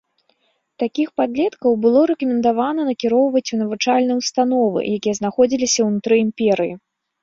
Такіх падлеткаў было рэкамендавана накіроўваць у навучальныя ўстановы, якія знаходзіліся ўнутры імперыі.